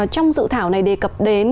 trong dự thảo này đề cập đến